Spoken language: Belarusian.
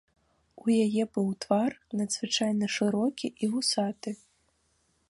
У яе быў твар надзвычайна шырокі і вусаты.